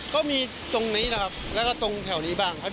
ก็มีตรงนี้นะครับแล้วก็ตรงแถวนี้บ้างครับ